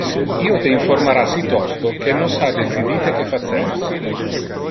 Io te informara si tosto que nos ha decidite que facer.